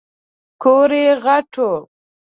کور یې غټ و .